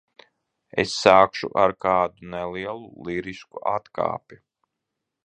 Es sākšu ar kādu nelielu lirisku atkāpi.